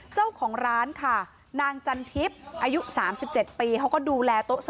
เจ้าของร้านค่ะนางจันทิพย์อายุ๓๗ปีเขาก็ดูแลโต๊ะ